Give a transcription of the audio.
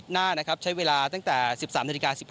๗๑นาที่นาที่ใช้เวลาตั้งแต่๑๓นาที